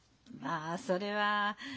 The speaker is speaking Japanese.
あそれは。